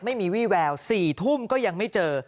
ไม่มีวี่แวว๔ทุ่มก็ยังไม่เจอ